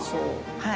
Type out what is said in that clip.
はい。